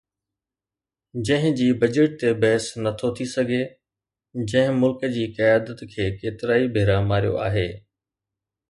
جنهن جي بجيٽ تي بحث نه ٿو ٿي سگهي، جنهن ملڪ جي قيادت کي ڪيترائي ڀيرا ماريو آهي